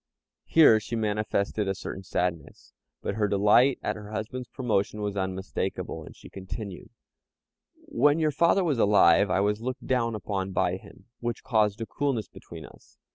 Here she manifested a certain sadness, but her delight at her husband's promotion was unmistakable, and she continued: "When your father was alive, I was looked down upon by him, which caused a coolness between us.